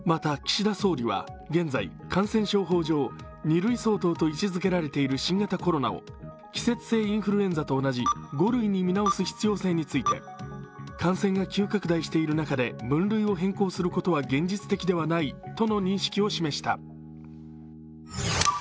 また岸田総理は現在、感染状況を２類相当と位置づけられている新型コロナを季節性インフルエンザと同じ５類に見直す必要性について感染が急拡大している中で分類を変更することは現実的ではないとの認識を示した。